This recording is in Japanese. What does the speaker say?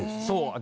そう。